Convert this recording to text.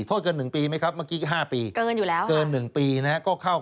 โทษเกิน๑ปีไหมครับเมื่อกี้๕ปีเกินอยู่แล้ว